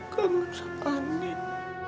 kangen sepanjang angin